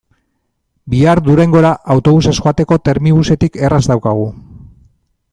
Bihar Durangora autobusez joateko Termibusetik erraz daukagu.